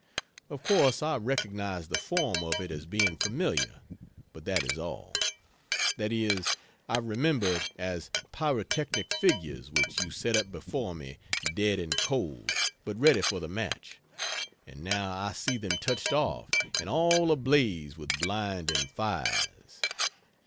Of course I recognize the form of it as being familiar but that is all. That is, I remember it as pyrotechnic figures which you set up before me, dead and cold, but ready for the match and now I see them touched off and all ablaze with blinding fires.